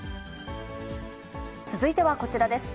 続いてはこちらです。